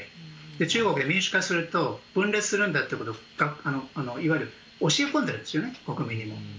中国は民主化すると分裂するんだということをいわゆる、教え込んでるんです。